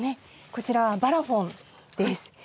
こちらはバラフォンです。